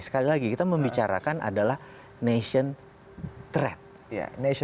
sekali lagi kita membicarakan adalah nation trap